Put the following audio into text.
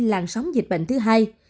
làn sóng dịch bệnh thứ hai